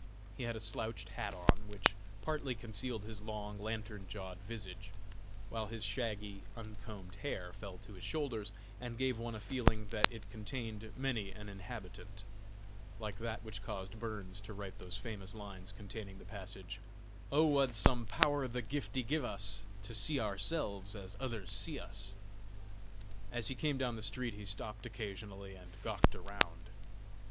He had a slouched hat on, which partly concealed his long, lantern jawed visage, while his shaggy, uncombed hair fell to his shoulders, and gave one a feeling that it contained many an inhabitant, like that which caused Burns to write those famous lines containing the passage: "Oh, wad some power the giftie gie us, To see oursels as ithers see us!" As he came down the street he stopped occasionally and gawked around.